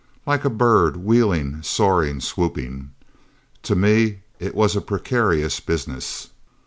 Like a bird, wheeling, soaring, swooping. To me, it was a precarious business.